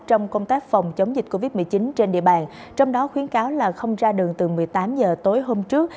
trong công tác phòng chống dịch covid một mươi chín trên địa bàn trong đó khuyến cáo là không ra đường từ một mươi tám h tối hôm trước